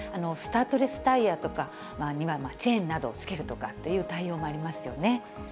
スタッドレスタイヤとか、今、チェーンなどをつけるとかという対応もありますよね。